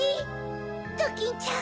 ドキンちゃん